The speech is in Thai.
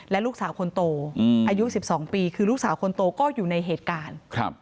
และลูกสาวคนโตอายุ๑๒ปีคือลูกสาวคนโตก็อยู่ในเหตุการณ์